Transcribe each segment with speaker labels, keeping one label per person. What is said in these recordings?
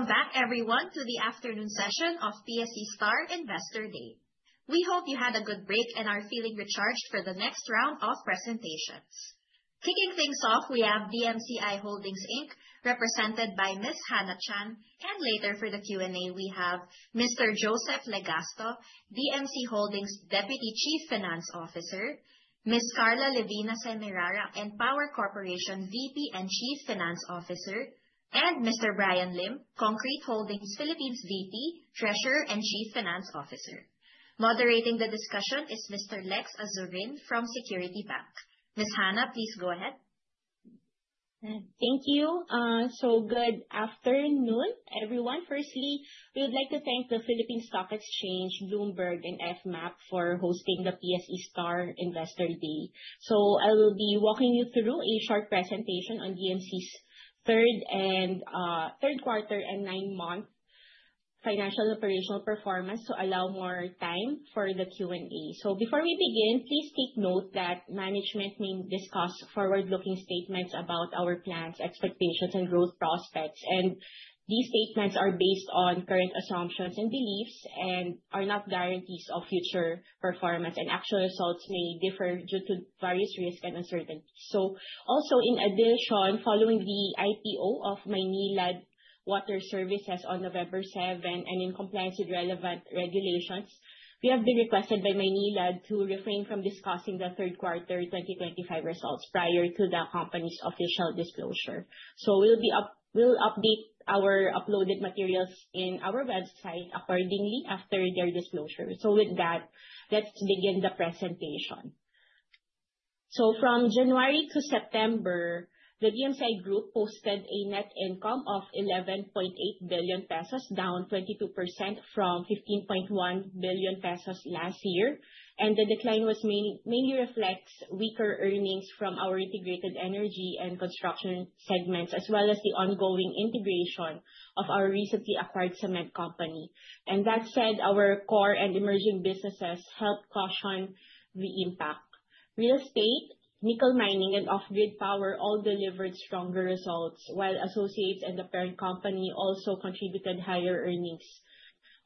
Speaker 1: Welcome back everyone to the afternoon session of PSE STAR Investor Day. We hope you had a good break and are feeling recharged for the next round of presentations. Kicking things off, we have DMCI Holdings, Inc., represented by Ms. Hannah Chan, and later for the Q&A, we have Mr. Joseph Legasto, DMCI Holdings Deputy Chief Finance Officer, Ms. Carla Levina, Semirara Mining and Power Corporation VP and Chief Finance Officer, and Mr. Brian Lim, Concreat Holdings Philippines VP, Treasurer, and Chief Finance Officer. Moderating the discussion is Mr. Lex Azurin from Security Bank. Ms. Hannah, please go ahead.
Speaker 2: Thank you. Good afternoon, everyone. Firstly, we would like to thank the Philippine Stock Exchange, Bloomberg, and FMAP for hosting the PSE STAR Investor Day. I will be walking you through a short presentation on DMCI's third quarter and nine-month financial operational performance to allow more time for the Q&A. Before we begin, please take note that management may discuss forward-looking statements about our plans, expectations, and growth prospects. These statements are based on current assumptions and beliefs and are not guarantees of future performance. Actual results may differ due to various risks and uncertainties. Also, in addition, following the IPO of Maynilad Water Services on November 7, and in compliance with relevant regulations, we have been requested by Maynilad to refrain from discussing the third quarter 2025 results prior to the company's official disclosure. We'll update our uploaded materials in our website accordingly after their disclosure. With that, let's begin the presentation. From January to September, the DMCI Group posted a net income of 11.8 billion pesos, down 22% from 15.1 billion pesos last year. The decline mainly reflects weaker earnings from our integrated energy and construction segments, as well as the ongoing integration of our recently acquired cement company. That said, our core and emerging businesses helped cushion the impact. Real estate, nickel mining, and off-grid power all delivered stronger results, while associates and the parent company also contributed higher earnings.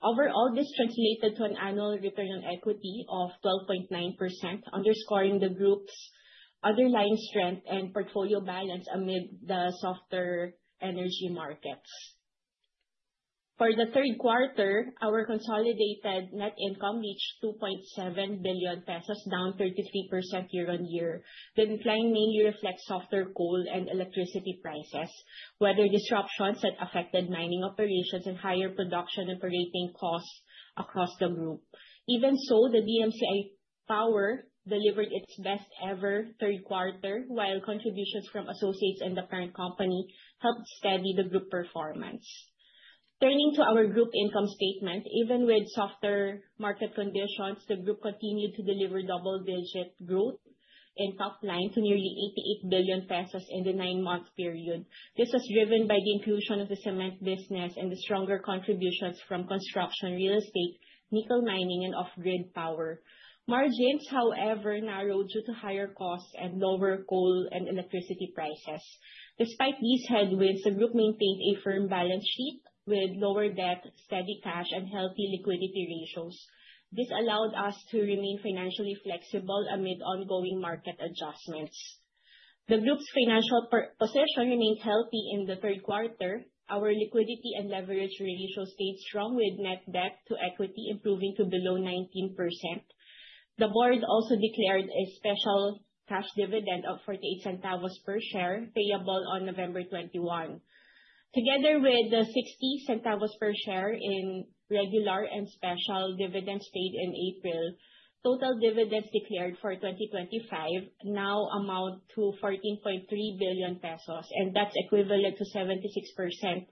Speaker 2: Overall, this translated to an annual return on equity of 12.9%, underscoring the group's underlying strength and portfolio balance amid the softer energy markets. For the third quarter, our consolidated net income reached 2.7 billion pesos, down 33% year-on-year. The decline mainly reflects softer coal and electricity prices, weather disruptions that affected mining operations, and higher production operating costs across the group. Even so, DMCI Power delivered its best ever third quarter, while contributions from associates and the parent company helped steady the group performance. Turning to our group income statement. Even with softer market conditions, the group continued to deliver double-digit growth in top line to nearly 88 billion pesos in the nine-month period. This was driven by the inclusion of the cement business and the stronger contributions from construction, real estate, nickel mining, and off-grid power. Margins, however, narrowed due to higher costs and lower coal and electricity prices. Despite these headwinds, the group maintained a firm balance sheet with lower debt, steady cash, and healthy liquidity ratios. This allowed us to remain financially flexible amid ongoing market adjustments. The group's financial position remained healthy in the third quarter. Our liquidity and leverage ratios stayed strong, with net debt to equity improving to below 19%. The board also declared a special cash dividend of 0.48 per share, payable on November 21. Together with the 0.60 per share in regular and special dividends paid in April, total dividends declared for 2025 now amount to 14.3 billion pesos, and that's equivalent to 76%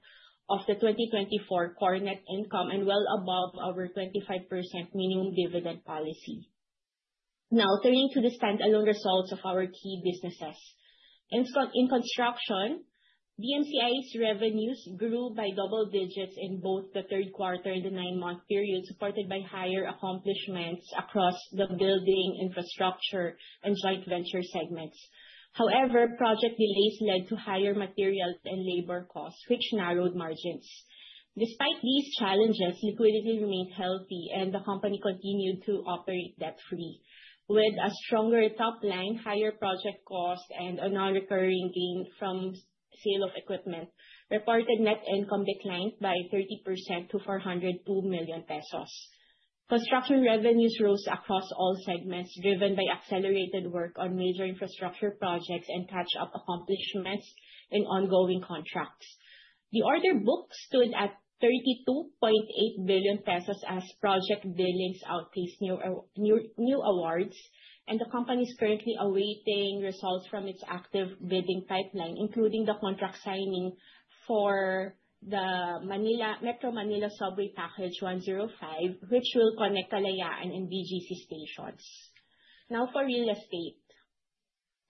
Speaker 2: of the 2024 core net income and well above our 25% minimum dividend policy. Now turning to the standalone results of our key businesses. In construction, DMCI's revenues grew by double digits in both the third quarter and the nine-month period, supported by higher accomplishments across the building, infrastructure, and joint venture segments. However, project delays led to higher materials and labor costs, which narrowed margins. Despite these challenges, liquidity remained healthy, and the company continued to operate debt-free. With a stronger top line, higher project costs, and a non-recurring gain from sale of equipment, reported net income declined by 30% to 402 million pesos. Construction revenues rose across all segments, driven by accelerated work on major infrastructure projects and catch-up accomplishments in ongoing contracts. The order book stood at 32.8 billion pesos as project billings outpaced new awards, and the company is currently awaiting results from its active bidding pipeline, including the contract signing for the Metro Manila Subway package 105, which will connect Kalayaan and BGC stations. Now for real estate.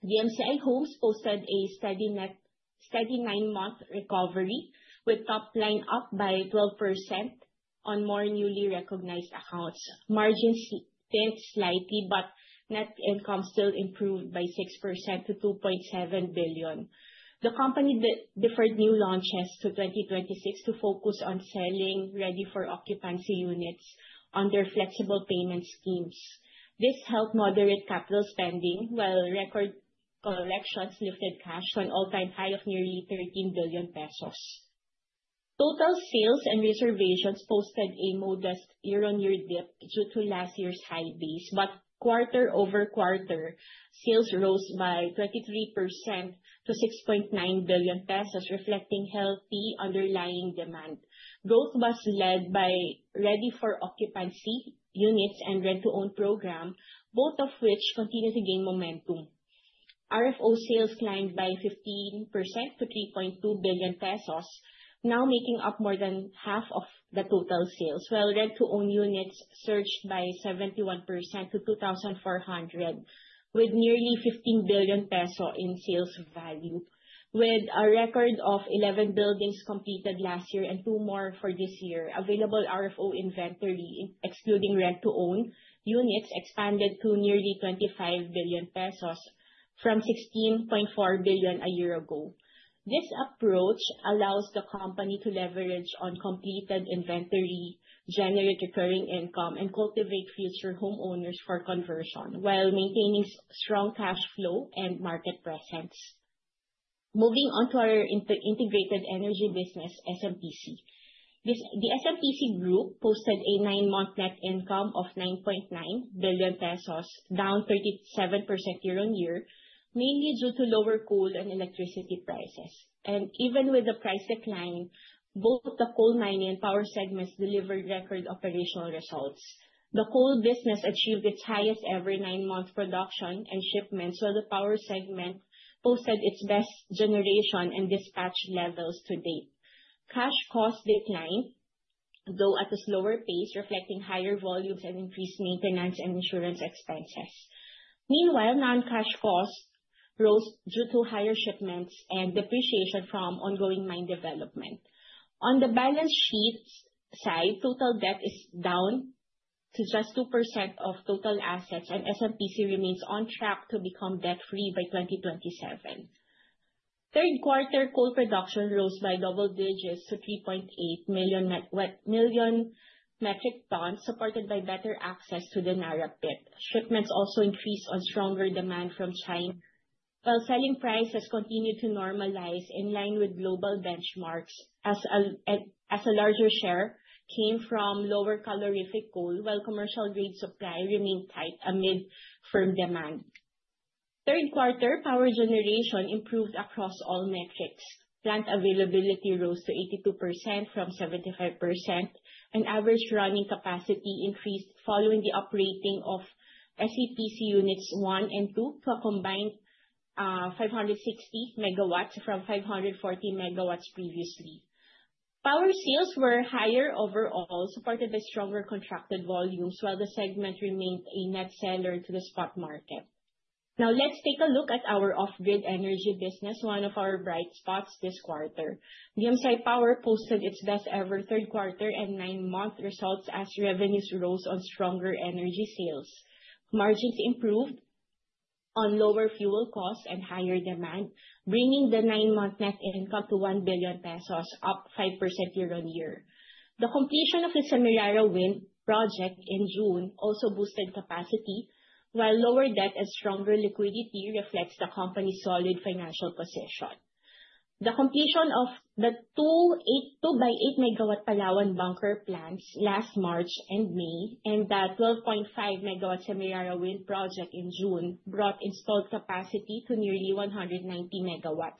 Speaker 2: DMCI Homes posted a steady nine-month recovery, with top line up by 12%. On more newly recognized accounts. Margins dipped slightly, but net income still improved by 6% to 2.7 billion. The company deferred new launches to 2026 to focus on selling ready-for-occupancy units under flexible payment schemes. This helped moderate capital spending, while record collections lifted cash to an all-time high of nearly 13 billion pesos. Total sales and reservations posted a modest year-on-year dip due to last year's high base. Quarter-over-quarter, sales rose by 23% to 6.9 billion pesos, reflecting healthy underlying demand. Growth was led by ready-for-occupancy units and rent-to-own program, both of which continue to gain momentum. RFO sales climbed by 15% to 3.2 billion pesos, now making up more than half of the total sales, while rent-to-own units surged by 71% to 2,400, with nearly 15 billion pesos in sales value. With a record of 11 buildings completed last year and two more for this year, available RFO inventory, excluding rent-to-own units, expanded to nearly 25 billion pesos from 16.4 billion a year ago. This approach allows the company to leverage on completed inventory, generate recurring income, and cultivate future homeowners for conversion while maintaining strong cash flow and market presence. Moving on to our integrated energy business, SMPC. The SMPC group posted a nine-month net income of 9.9 billion pesos, down 37% year-on-year, mainly due to lower coal and electricity prices. Even with the price decline, both the coal mining and power segments delivered record operational results. The coal business achieved its highest-ever nine-month production and shipments, while the power segment posted its best generation and dispatch levels to date. Cash costs declined, though at a slower pace, reflecting higher volumes and increased maintenance and insurance expenses. Meanwhile, non-cash costs rose due to higher shipments and depreciation from ongoing mine development. On the balance sheets side, total debt is down to just 2% of total assets, and SMPC remains on track to become debt-free by 2027. Third quarter coal production rose by double digits to 3.8 million metric tons, supported by better access to the Narra Pit. Shipments also increased on stronger demand from China, while selling prices continued to normalize in line with global benchmarks as a larger share came from lower calorific coal, while commercial grade supply remained tight amid firm demand. Third quarter power generation improved across all metrics. Plant availability rose to 82% from 75%, and average running capacity increased following the uprating of SEPC units one and two to a combined 560 MW from 540 MW previously. Power sales were higher overall, supported by stronger contracted volumes, while the segment remained a net seller to the spot market. Now let's take a look at our off-grid energy business, one of our bright spots this quarter. DMCI Power posted its best-ever third quarter and nine month results as revenues rose on stronger energy sales. Margins improved on lower fuel costs and higher demand, bringing the nine month net income to 1 billion pesos, up 5% year-on-year. The completion of the Semirara Wind project in June also boosted capacity, while lower debt and stronger liquidity reflects the company's solid financial position. The completion of the two 8 MW Palawan bunker plants last March and May, and the 12.5 MW Semirara Wind project in June brought installed capacity to nearly 190 MW.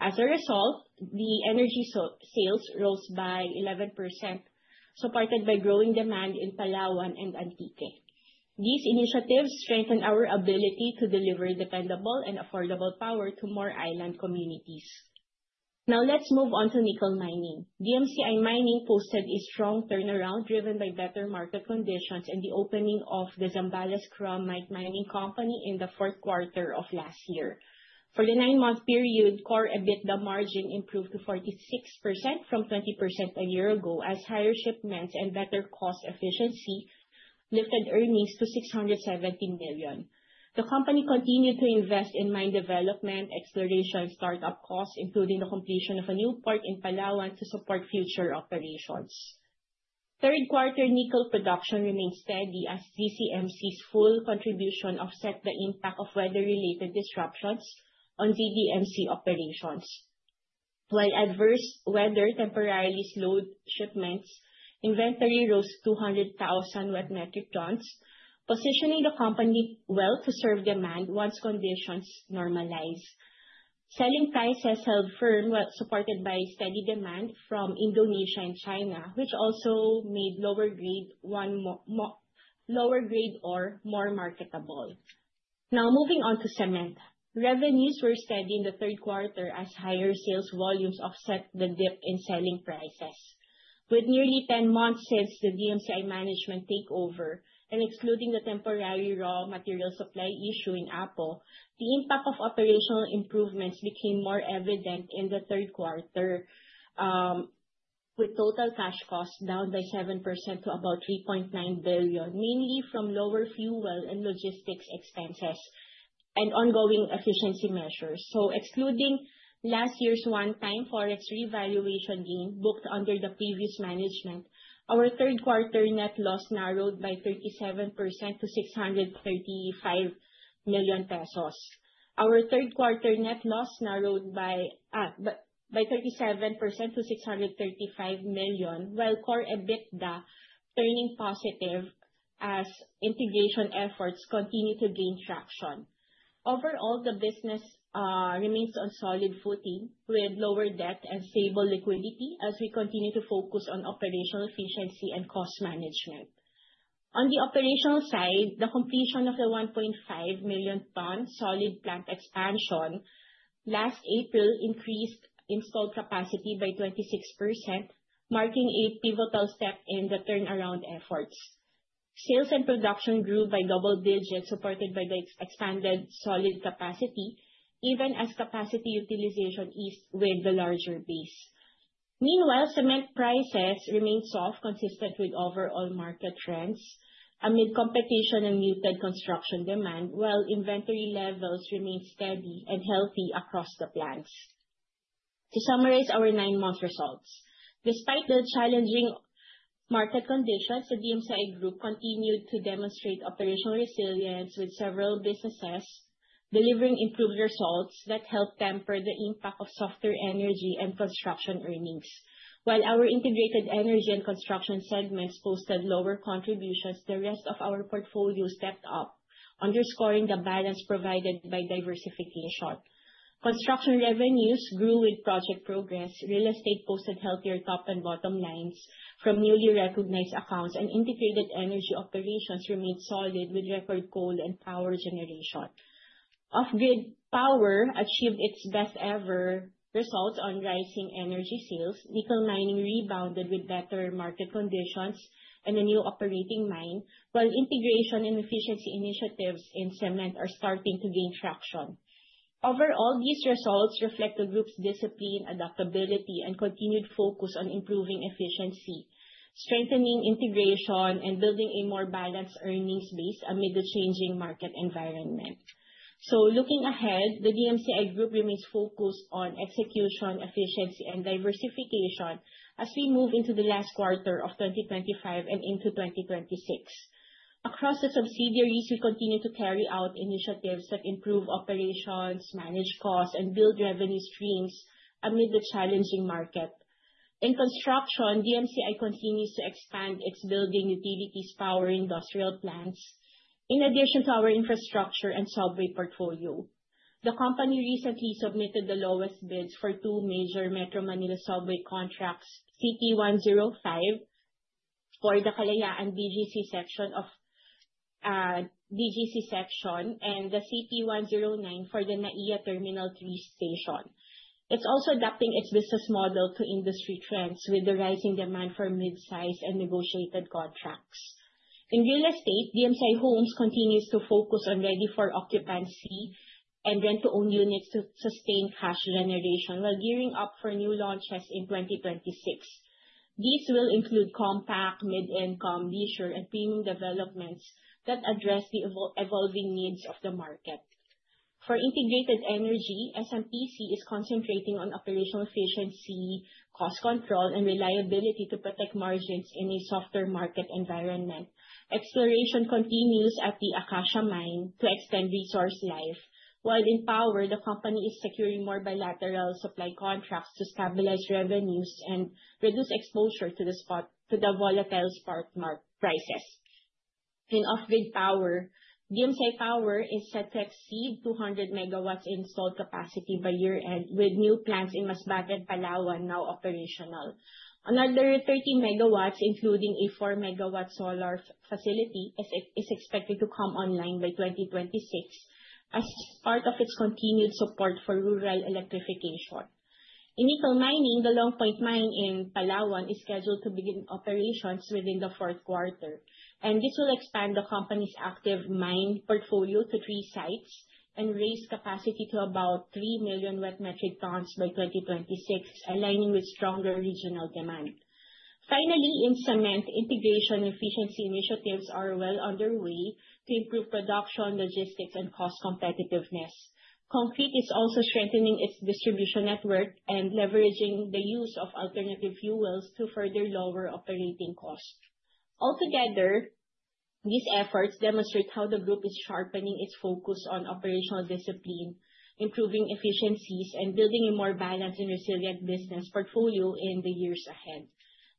Speaker 2: As a result, the energy sales rose by 11%, supported by growing demand in Palawan and Antique. These initiatives strengthen our ability to deliver dependable and affordable power to more island communities. Now let's move on to nickel mining. DMCI Mining posted a strong turnaround driven by better market conditions and the opening of the Zambales Chromite Mining Company in the fourth quarter of last year. For the nine-month period, core EBITDA margin improved to 46% from 20% a year ago as higher shipments and better cost efficiency lifted earnings to 617 million. The company continued to invest in mine development, exploration, start-up costs, including the completion of a new port in Palawan to support future operations. Third quarter nickel production remained steady as ZCMC's full contribution offset the impact of weather-related disruptions on DMCI operations. While adverse weather temporarily slowed shipments, inventory rose 200,000 wet metric tons, positioning the company well to serve demand once conditions normalize. Selling prices held firm, which supported by steady demand from Indonesia and China, which also made lower grade ore more marketable. Now moving on to cement. Revenues were steady in the third quarter as higher sales volumes offset the dip in selling prices. With nearly 10 months since the DMCI management takeover and excluding the temporary raw material supply issue in Apo, the impact of operational improvements became more evident in the third quarter. With total cash costs down 7% to about 3.9 billion, mainly from lower fuel and logistics expenses and ongoing efficiency measures. Excluding last year's one-time forex revaluation gain booked under the previous management, our third quarter net loss narrowed by 37% to 635 million pesos. Our third quarter net loss narrowed by 37% to 635 million, while core EBITDA turning positive as integration efforts continue to gain traction. Overall, the business remains on solid footing with lower debt and stable liquidity as we continue to focus on operational efficiency and cost management. On the operational side, the completion of the 1.5 million ton Solid plant expansion last April increased installed capacity by 26%, marking a pivotal step in the turnaround efforts. Sales and production grew by double digits, supported by the expanded Solid capacity, even as capacity utilization eased with the larger base. Meanwhile, cement prices remained soft, consistent with overall market trends amid competition and muted construction demand, while inventory levels remained steady and healthy across the plants. To summarize our nine-month results. Despite the challenging market conditions, the DMCI group continued to demonstrate operational resilience, with several businesses delivering improved results that helped temper the impact of softer energy and construction earnings. While our integrated energy and construction segments posted lower contributions, the rest of our portfolio stepped up, underscoring the balance provided by diversification. Construction revenues grew with project progress. Real estate posted healthier top and bottom lines from newly recognized accounts, and integrated energy operations remained solid with record coal and power generation. Off-grid power achieved its best ever results on rising energy sales. Nickel mining rebounded with better market conditions and a new operating mine, while integration and efficiency initiatives in cement are starting to gain traction. Overall, these results reflect the group's discipline, adaptability, and continued focus on improving efficiency, strengthening integration, and building a more balanced earnings base amid the changing market environment. Looking ahead, the DMCI group remains focused on execution, efficiency, and diversification as we move into the last quarter of 2025 and into 2026. Across the subsidiaries, we continue to carry out initiatives that improve operations, manage costs, and build revenue streams amid the challenging market. In construction, DMCI continues to expand its building, utilities, power, industrial plants, in addition to our infrastructure and subway portfolio. The company recently submitted the lowest bids for two major Metro Manila Subway contracts, CT-105 for the Kalayaan-BGC section of BGC section, and the CT-109 for the NAIA Terminal 3 station. It's also adapting its business model to industry trends with the rising demand for mid-size and negotiated contracts. In real estate, DMCI Homes continues to focus on ready-for-occupancy and rent-to-own units to sustain cash generation while gearing up for new launches in 2026. These will include compact, mid-income, leisure, and premium developments that address the evolving needs of the market. For integrated energy, SMPC is concentrating on operational efficiency, cost control, and reliability to protect margins in a softer market environment. Exploration continues at the Acacia Mine to extend resource life. While in power, the company is securing more bilateral supply contracts to stabilize revenues and reduce exposure to the volatile spot market prices. In off-grid power, DMCI Power is set to exceed 200 MW installed capacity by year-end with new plants in Masbate and Palawan now operational. Another 13 MW, including a 4 MW solar facility, is expected to come online by 2026 as part of its continued support for rural electrification. In nickel mining, the Long Point Mine in Palawan is scheduled to begin operations within the fourth quarter, and this will expand the company's active mine portfolio to three sites and raise capacity to about three million wet metric tons by 2026, aligning with stronger regional demand. Finally, in cement, integration efficiency initiatives are well underway to improve production, logistics, and cost competitiveness. Concreat is also strengthening its distribution network and leveraging the use of alternative fuels to further lower operating costs. Altogether, these efforts demonstrate how the group is sharpening its focus on operational discipline, improving efficiencies, and building a more balanced and resilient business portfolio in the years ahead.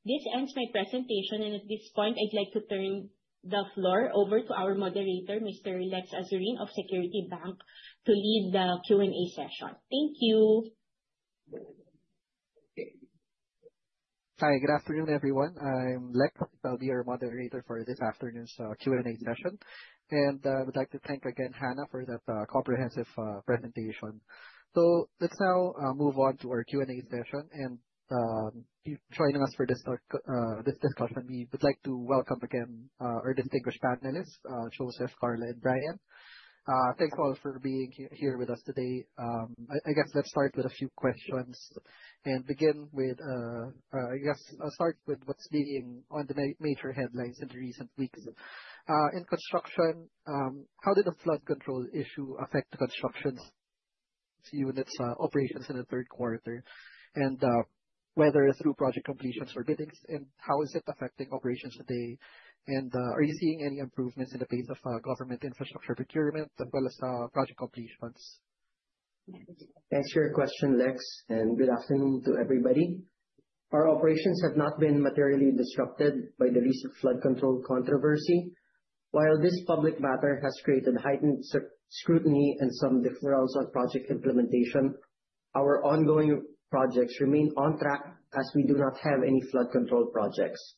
Speaker 2: This ends my presentation, and at this point I'd like to turn the floor over to our moderator, Mr. Lex Azurin of Security Bank, to lead the Q&A session. Thank you.
Speaker 3: Hi, good afternoon, everyone. I'm Lex. I'll be your moderator for this afternoon's Q&A session. I would like to thank again Hannah for that comprehensive presentation. Let's now move on to our Q&A session. Joining us for this discussion, we would like to welcome again our distinguished panelists Joseph, Carla, and Bryan. Thanks all for being here with us today. I guess let's start with a few questions and begin with I guess I'll start with what's leading on the major headlines in recent weeks. In construction, how did the flood control issue affect the construction units operations in the third quarter, and whether through project completions or biddings, and how is it affecting operations today? Are you seeing any improvements in the pace of government infrastructure procurement as well as project completions?
Speaker 4: To answer your question, Lex, and good afternoon to everybody. Our operations have been materially disrupted by the recent flood control controversy. While this public matter has created heightened scrutiny and some deferrals on project implementation, our ongoing projects remain on track as we do not have any flood control projects.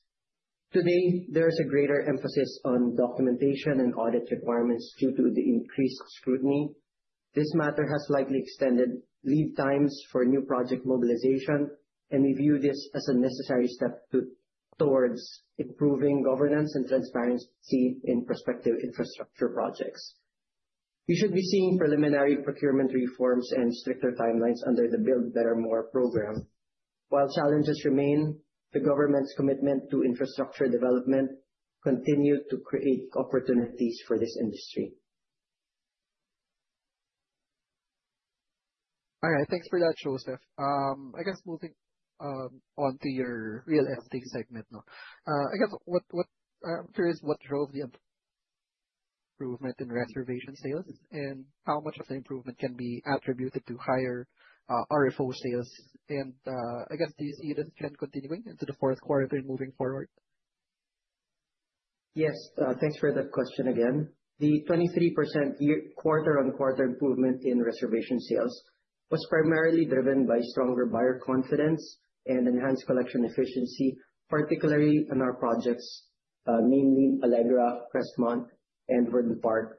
Speaker 4: Today, there is a greater emphasis on documentation and audit requirements due to the increased scrutiny. This matter has likely extended lead times for new project mobilization, and we view this as a necessary step towards improving governance and transparency in prospective infrastructure projects. We should be seeing preliminary procurement reforms and stricter timelines under the Build Better More program. While challenges remain, the government's commitment to infrastructure development continue to create opportunities for this industry.
Speaker 3: All right. Thanks for that, Joseph. I guess moving on to your real estate segment now. I guess I'm curious what drove the improvement in reservation sales, and how much of the improvement can be attributed to higher RFO sales? I guess, do you see this trend continuing into the fourth quarter and moving forward?
Speaker 4: Yes. Thanks for that question again. The 23% quarter-on-quarter improvement in reservation sales was primarily driven by stronger buyer confidence and enhanced collection efficiency, particularly on our projects, mainly Allegra, Crestmont, and Verde Park.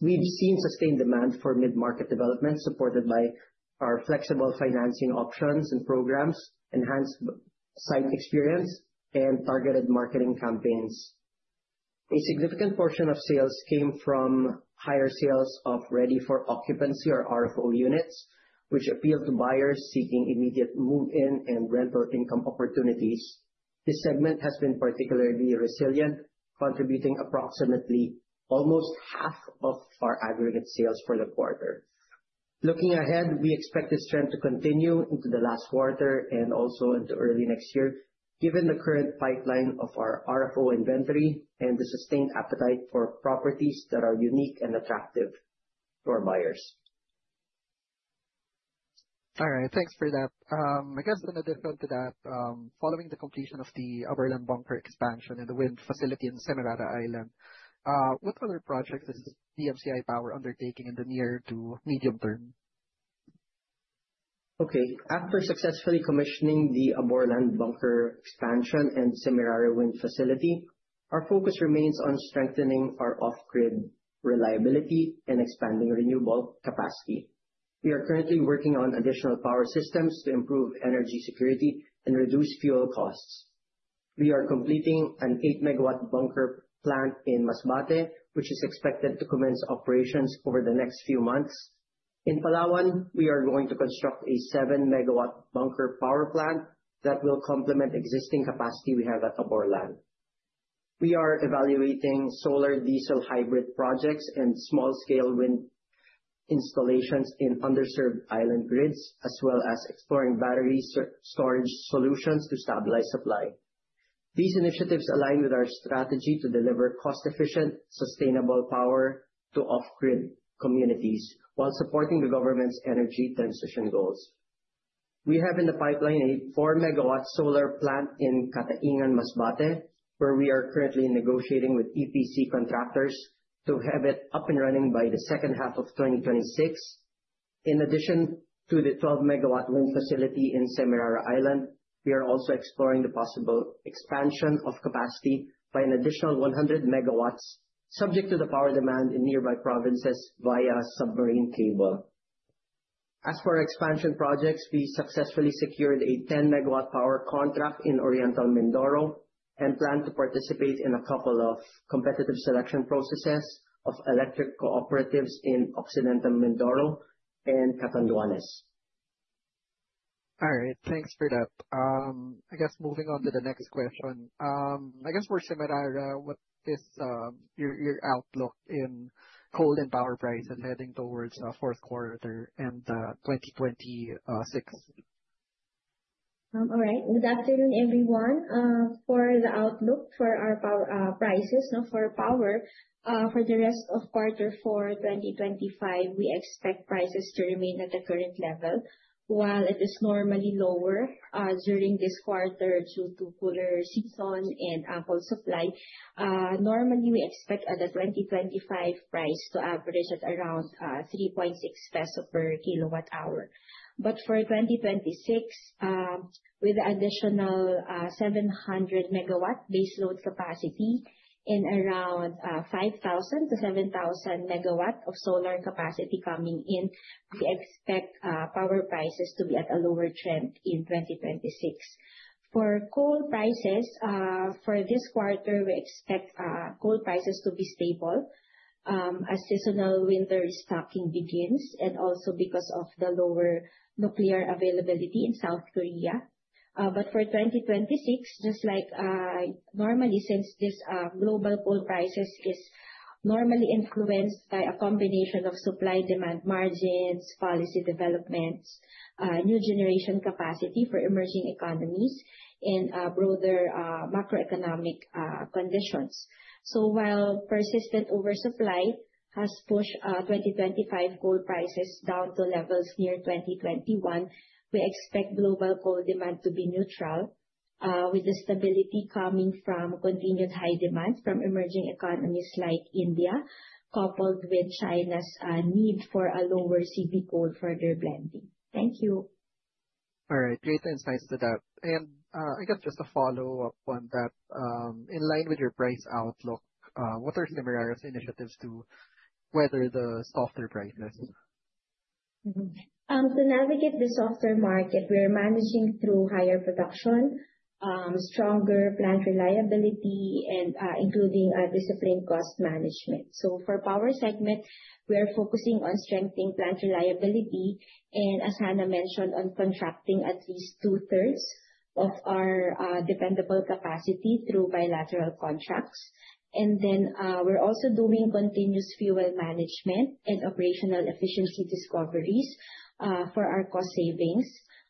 Speaker 4: We've seen sustained demand for mid-market development, supported by our flexible financing options and programs, enhanced site experience, and targeted marketing campaigns. A significant portion of sales came from higher sales of Ready For Occupancy, or RFO units, which appeal to buyers seeking immediate move-in and rental income opportunities. This segment has been particularly resilient, contributing approximately almost half of our aggregate sales for the quarter. Looking ahead, we expect this trend to continue into the last quarter and also into early next year, given the current pipeline of our RFO inventory and the sustained appetite for properties that are unique and attractive to our buyers.
Speaker 3: All right. Thanks for that. I guess on a different note to that, following the completion of the Aborlan bunker expansion and the wind facility in Semirara Island, what other projects is DMCI Power undertaking in the near to medium term?
Speaker 4: Okay. After successfully commissioning the Aborlan bunker expansion and Semirara Wind facility, our focus remains on strengthening our off-grid reliability and expanding renewable capacity. We are currently working on additional power systems to improve energy security and reduce fuel costs. We are completing an 8 MW bunker plant in Masbate, which is expected to commence operations over the next few months. In Palawan, we are going to construct a 7 MW bunker power plant that will complement existing capacity we have at Aborlan. We are evaluating solar diesel hybrid projects and small scale wind installations in underserved island grids, as well as exploring battery storage solutions to stabilize supply. These initiatives align with our strategy to deliver cost-efficient, sustainable power to off-grid communities while supporting the government's energy transition goals. We have in the pipeline a 4 MW solar plant in Cataingan, Masbate, where we are currently negotiating with EPC contractors to have it up and running by the second half of 2026. In addition to the 12 MW wind facility in Semirara Island, we are also exploring the possible expansion of capacity by an additional 100 megawatt, subject to the power demand in nearby provinces via submarine cable. As for expansion projects, we successfully secured a 10 MW power contract in Oriental Mindoro and plan to participate in a couple of competitive selection processes of electric cooperatives in Occidental Mindoro and Catanduanes.
Speaker 3: All right. Thanks for that. I guess moving on to the next question. I guess for Semirara, what is your outlook in coal and power prices heading towards fourth quarter and 2026?
Speaker 5: All right. Good afternoon, everyone. For the outlook for our power prices, you know, for power, for the rest of quarter four 2025, we expect prices to remain at the current level. While it is normally lower during this quarter due to cooler season and ample supply, normally we expect the 2025 price to average at around 3.6 pesos per kWh. For 2026, with additional 700 MW baseload capacity and around 5,000 MW-7,000 MW of solar capacity coming in. We expect power prices to be at a lower trend in 2026. For coal prices, for this quarter, we expect coal prices to be stable, as seasonal winter restocking begins and also because of the lower nuclear availability in South Korea. For 2026, just like normally, since this global coal prices is normally influenced by a combination of supply-demand margins, policy developments, new generation capacity for emerging economies and broader macroeconomic conditions. While persistent oversupply has pushed 2025 coal prices down to levels near 2021, we expect global coal demand to be neutral with the stability coming from continued high demand from emerging economies like India, coupled with China's need for a lower CV coal for their blending. Thank you.
Speaker 3: All right. Great insights to that. I guess just a follow-up on that. In line with your price outlook, what are Semirara's initiatives to weather the softer price mix?
Speaker 5: To navigate the softer market, we are managing through higher production, stronger plant reliability and disciplined cost management. For power segment, we are focusing on strengthening plant reliability and as Hannah mentioned, on contracting at least 2/3 of our dependable capacity through bilateral contracts. We're also doing continuous fuel management and operational efficiency discoveries for our cost savings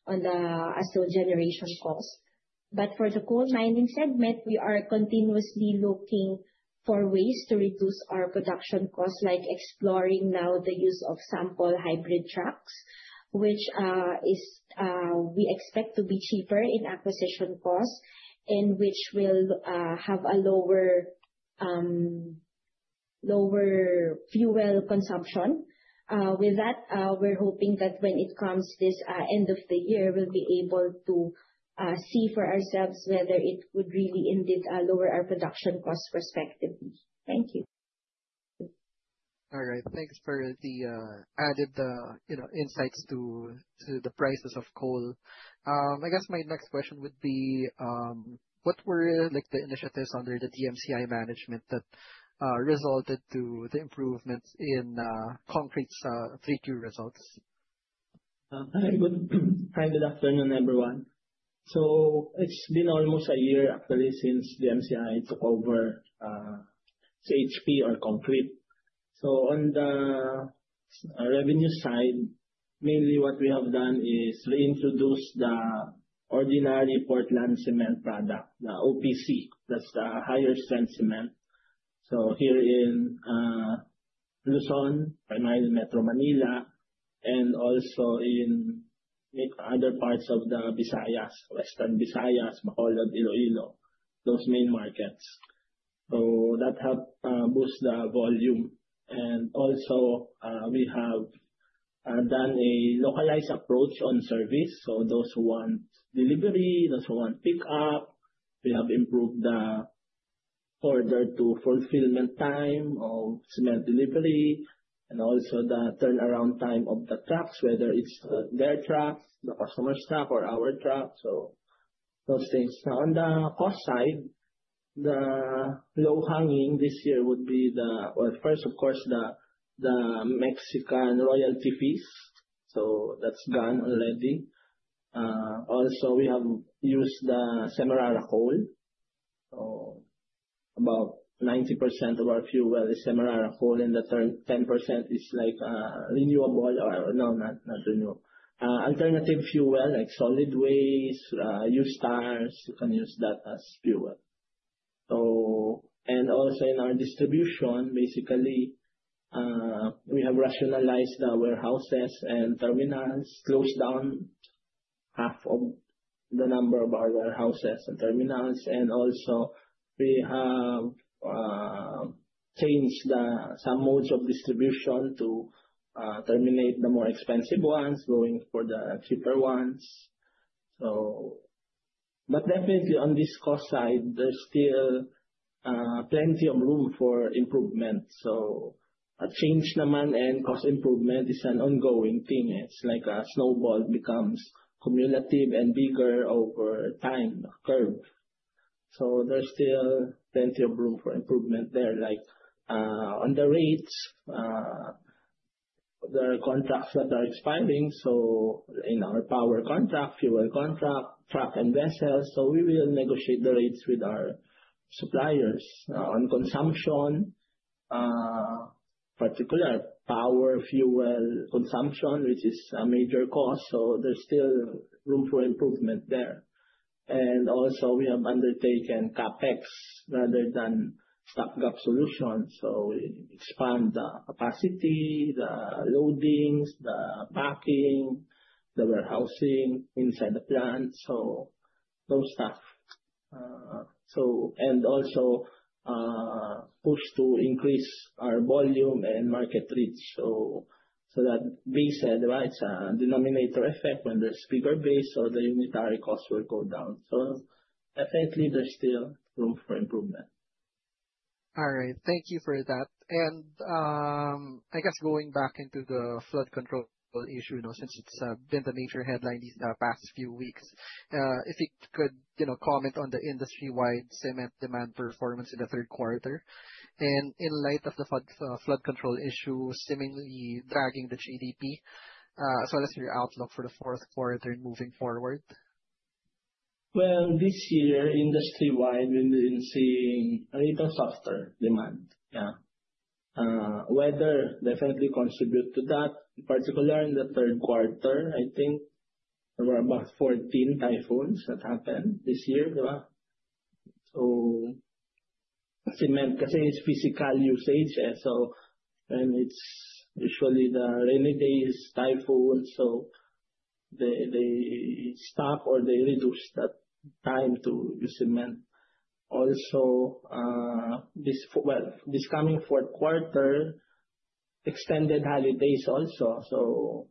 Speaker 5: on the ASIL generation cost. For the coal mining segment, we are continuously looking for ways to reduce our production costs, like exploring now the use of sample hybrid trucks, which we expect to be cheaper in acquisition costs and which will have a lower fuel consumption. With that, we're hoping that when it comes this end of the year, we'll be able to see for ourselves whether it would really indeed lower our production costs respectively. Thank you.
Speaker 3: All right. Thanks for the added, you know, insights to the prices of coal. I guess my next question would be what were, like, the initiatives under the DMCI management that resulted in the improvements in Concreat's three-year results?
Speaker 6: Hi, good afternoon, everyone. It's been almost a year, actually, since DMCI took over CHP or Concreat. On the revenue side, mainly what we have done is reintroduce the ordinary Portland cement product, the OPC. That's the higher strength cement. Here in Luzon, primarily in Metro Manila and also in other parts of the Visayas, Western Visayas, Bacolod, Iloilo, those main markets. That helped boost the volume. We have done a localized approach on service. Those who want delivery, those who want pickup, we have improved the order-to-fulfillment time of cement delivery and also the turnaround time of the trucks, whether it's their trucks, the customer's truck or our truck, so those things. Now, on the cost side, the low-hanging fruit this year would be the. Well, first, of course, the Cemex royalty fees. That's done already. Also, we have used the Semirara coal. About 90% of our fuel is Semirara coal, and the 10% is like renewable or. No, not renewable. Alternative fuel, like solid waste, used tires, you can use that as fuel. Also in our distribution, basically, we have rationalized the warehouses and terminals, closed down half of the number of our warehouses and terminals. Also, we have changed some modes of distribution to terminate the more expensive ones, going for the cheaper ones. Definitely on this cost side, there's still plenty of room for improvement. A change naman and cost improvement is an ongoing thing. It's like a snowball, it becomes cumulative and bigger over time, a curve. There's still plenty of room for improvement there. Like, on the rates, there are contracts that are expiring, so in our power contract, fuel contract, truck, and vessels. We will negotiate the rates with our suppliers. On consumption, particular power, fuel consumption, which is a major cost. There's still room for improvement there. We have undertaken CapEx rather than stopgap solutions. Expand the capacity, the loadings, the packing, the warehousing inside the plant. Those stuff and also push to increase our volume and market reach. so that base, right? It's a denominator effect. When there's bigger base, so the unit cost will go down. definitely there's still room for improvement.
Speaker 3: All right. Thank you for that. I guess going back into the flood control issue, since it's been the major headline these past few weeks. If you could, you know, comment on the industry-wide cement demand performance in the third quarter. In light of the flood control issue seemingly dragging the GDP. As well as your outlook for the fourth quarter moving forward.
Speaker 4: Well, this year, industry-wide, we've been seeing a little softer demand. Weather definitely contribute to that, particularly in the third quarter. I think there were about 14 typhoons that happened this year. Cement, because it's physical usage, and it's usually the rainy days, typhoon, so they stop or they reduce that time to use cement. This coming fourth quarter, extended holidays also.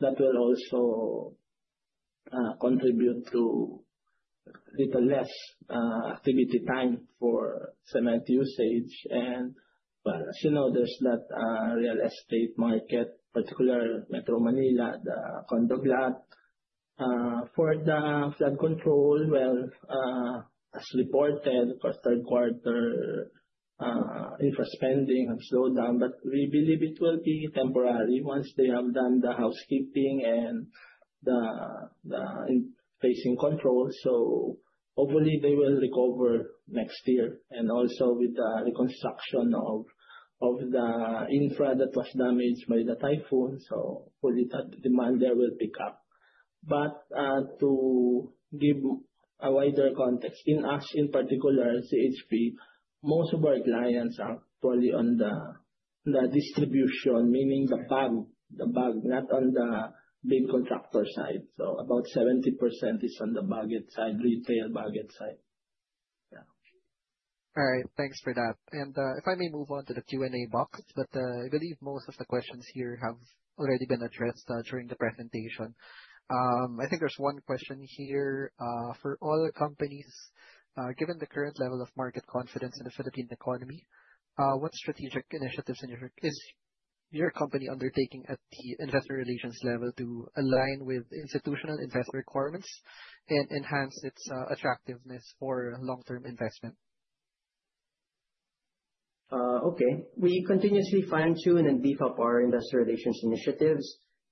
Speaker 4: That will also contribute to a little less activity time for cement usage. As you know, there's that real estate market, particularly Metro Manila, the condo glut. For the flood control, as reported for third quarter, infra spending have slowed down, but we believe it will be temporary once they have done the housekeeping and the pacing control. Hopefully they will recover next year. with the reconstruction of the infra that was damaged by the typhoon. Hopefully that demand there will pick up. To give a wider context, in our particular, CHP, most of our clients are probably on the distribution, meaning the bag, not on the big contractor side. About 70% is on the bags side, retail bags side.
Speaker 3: All right. Thanks for that. If I may move on to the Q&A box, but I believe most of the questions here have already been addressed during the presentation. I think there's one question here. For all companies, given the current level of market confidence in the Philippine economy, what strategic initiatives is your company undertaking at the investor relations level to align with institutional investor requirements and enhance its attractiveness for long-term investment?
Speaker 4: Okay. We continuously fine-tune and beef up our investor relations initiatives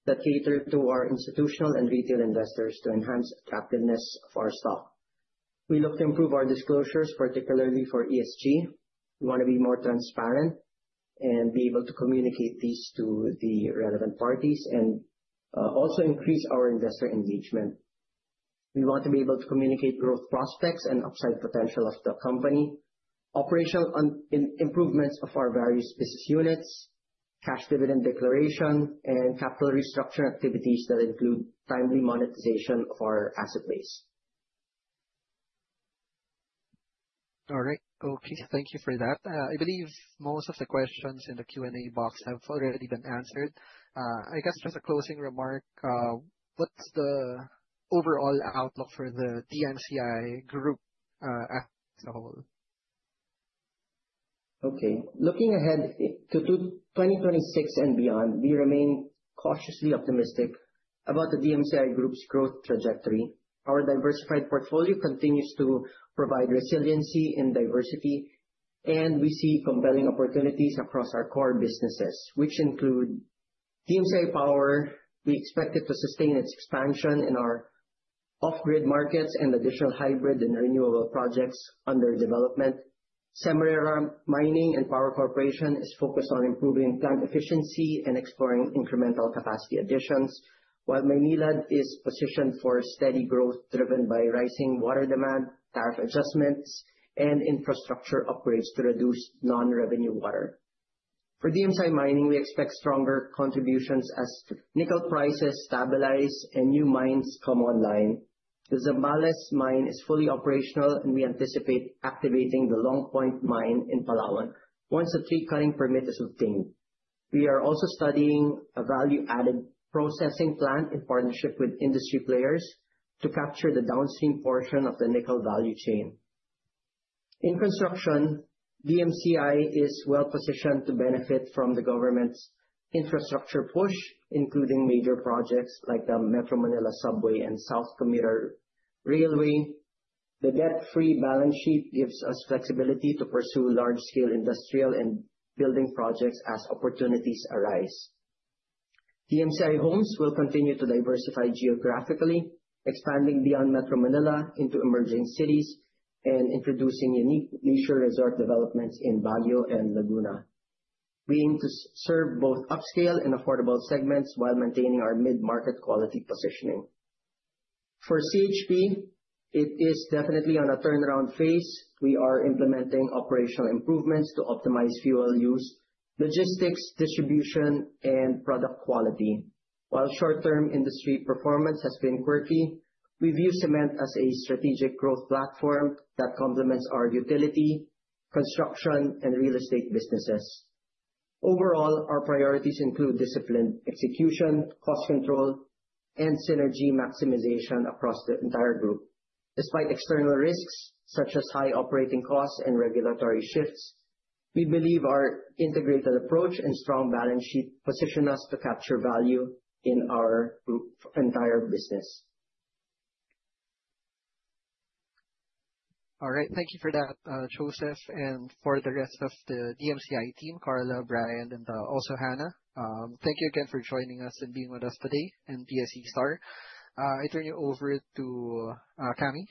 Speaker 4: that cater to our institutional and retail investors to enhance attractiveness of our stock. We look to improve our disclosures, particularly for ESG. We wanna be more transparent and be able to communicate these to the relevant parties and also increase our investor engagement. We want to be able to communicate growth prospects and upside potential of the company, operational and improvements of our various business units, cash dividend declaration, and capital restructure activities that include timely monetization of our asset base.
Speaker 3: All right. Okay. Thank you for that. I believe most of the questions in the Q&A box have already been answered. I guess just a closing remark, what's the overall outlook for the DMCI group, as a whole?
Speaker 4: Okay. Looking ahead to 2026 and beyond, we remain cautiously optimistic about the DMCI group's growth trajectory. Our diversified portfolio continues to provide resiliency and diversity, and we see compelling opportunities across our core businesses, which include DMCI Power. We expect it to sustain its expansion in our off-grid markets and additional hybrid and renewable projects under development. Semirara Mining and Power Corporation is focused on improving plant efficiency and exploring incremental capacity additions, while Maynilad is positioned for steady growth driven by rising water demand, tariff adjustments, and infrastructure upgrades to reduce non-revenue water. For DMCI Mining, we expect stronger contributions as nickel prices stabilize and new mines come online. The Zambales mine is fully operational, and we anticipate activating the Long Point mine in Palawan once the tree cutting permit is obtained. We are also studying a value-added processing plant in partnership with industry players to capture the downstream portion of the nickel value chain. In construction, DMCI is well-positioned to benefit from the government's infrastructure push, including major projects like the Metro Manila Subway and North-South Commuter Railway. The debt-free balance sheet gives us flexibility to pursue large-scale industrial and building projects as opportunities arise. DMCI Homes will continue to diversify geographically, expanding beyond Metro Manila into emerging cities and introducing unique leisure resort developments in Baguio and Laguna. We aim to serve both upscale and affordable segments while maintaining our mid-market quality positioning. For CHP, it is definitely on a turnaround phase. We are implementing operational improvements to optimize fuel use, logistics, distribution, and product quality. While short-term industry performance has been quirky, we view cement as a strategic growth platform that complements our utility, construction, and real estate businesses. Overall, our priorities include disciplined execution, cost control, and synergy maximization across the entire group. Despite external risks such as high operating costs and regulatory shifts, we believe our integrated approach and strong balance sheet position us to capture value in our group's entire business.
Speaker 3: All right. Thank you for that, Joseph, and for the rest of the DMCI team, Carla, Bryan, and also Hannah. Thank you again for joining us and being with us today in PSE STAR. I turn you over to Cami.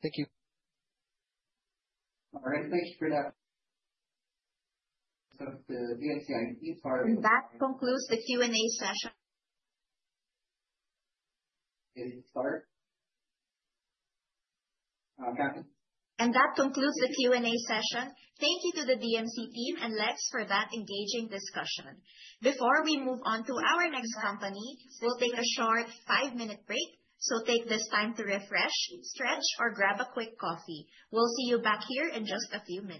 Speaker 3: Thank you.
Speaker 4: All right. Thank you for that. The DMCI team-
Speaker 1: That concludes the Q&A session.
Speaker 4: Okay. Start. Cathy?
Speaker 1: That concludes the Q&A session. Thank you to the DMCI team and Lex for that engaging discussion. Before we move on to our next company, we'll take a short five minute break. Take this time to refresh, stretch, or grab a quick coffee. We'll see you back here in just a few minutes.